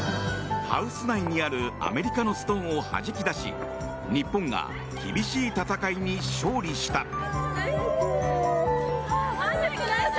ハウス内にあるアメリカのストーンをはじき出し日本が厳しい戦いに勝利した。